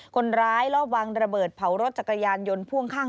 คนร้ายลอบวางระเบิดเผารถจักรยานยนต์พ่วงข้าง